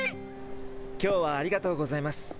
今日はありがとうございます。